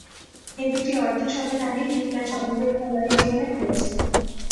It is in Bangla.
এ দুটি অর্ধ-শতরানই তিনি তার সমগ্র খেলোয়াড়ী জীবনে খেলেছেন।